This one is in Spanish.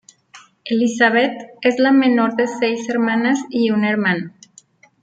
Elizabeth es la menor de seis hermanas y un hermano.